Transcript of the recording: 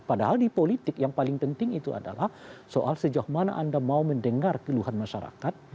padahal di politik yang paling penting itu adalah soal sejauh mana anda mau mendengar keluhan masyarakat